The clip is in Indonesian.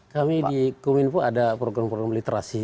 kami di kominfo ada program program literasi